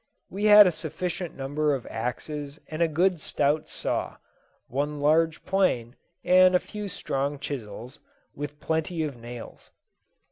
We had a sufficient number of axes and a good stout saw, one large plane, and a few strong chisels, with plenty of nails.